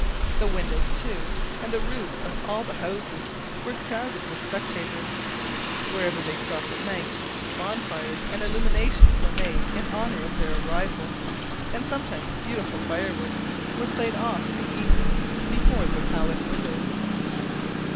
The windows, too, and the roofs of all the houses, were crowded with spectators. Wherever they stopped at night bonfires and illuminations were made in honor of their arrival, and sometimes beautiful fireworks were played off in the evening before their palace windows.